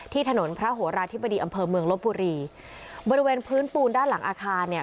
ถนนพระโหราธิบดีอำเภอเมืองลบบุรีบริเวณพื้นปูนด้านหลังอาคารเนี่ย